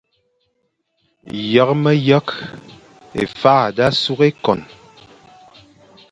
Yekh myekh, Évala sa sukh ékon,